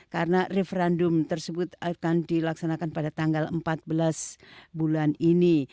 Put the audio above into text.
karena referendum tersebut akan dilaksanakan pada tanggal empat belas bulan ini